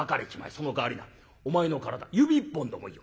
そのかわりなお前の体指一本でもいいよ。